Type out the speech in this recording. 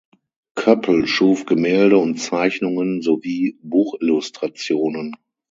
Koeppel schuf Gemälde und Zeichnungen sowie Buchillustrationen.